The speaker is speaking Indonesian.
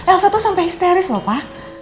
elsa tuh sampai histeris loh pa